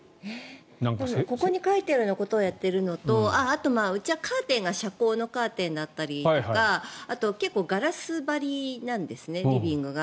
ここに書いてあることをやってるのとうちはカーテンが遮光のカーテンだったりとかあと結構ガラス張りなんですねリビングが。